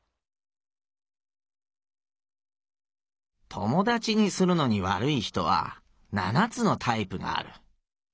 「友だちにするのにわるい人は七つのタイプがある。